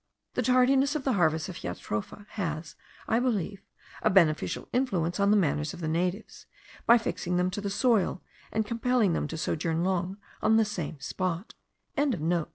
The tardiness of the harvest of jatropha has, I believe, a beneficial influence on the manners of the natives, by fixing them to the soil, and compelling them to sojourn long on the same spot.)